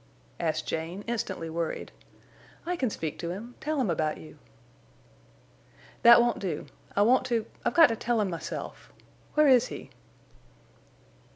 asked Jane, instantly worried. "I can speak to him—tell him about you." "That won't do. I want to—I've got to tell him myself. Where is he?"